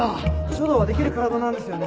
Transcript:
書道はできる体なんですよね？